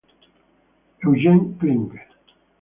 Eugen Kling